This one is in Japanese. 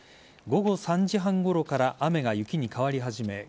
午後３時半ごろから雨が雪に変わり始め